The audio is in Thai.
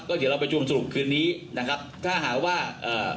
เดี๋ยวเราประชุมสรุปคืนนี้นะครับถ้าหากว่าเอ่อ